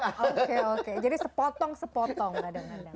jadi sepotong sepotong kadang kadang